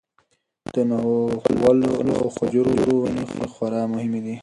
د نخلو او خجورو ونې خورا مهمې دي.